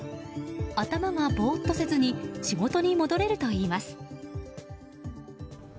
頭がボーッとせずに仕事に戻れるといいます。